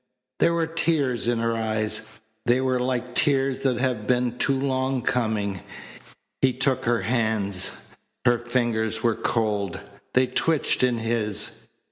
There were tears in her eyes. They were like tears that have been too long coming. He took her hands. Her fingers were cold. They twitched in his.